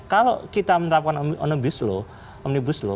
kalau kita menerapkan omnibus slow